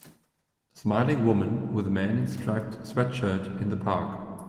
Smiling woman with man in striped sweatshir in the park.